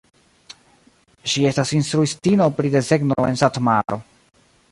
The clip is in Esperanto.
Ŝi estas instruistino pri desegno en Satmaro.